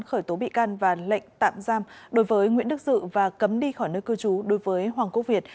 khởi tố bị can và lệnh tạm giam đối với nguyễn đức dự và cấm đi khỏi nơi cư trú đối với hoàng quốc việt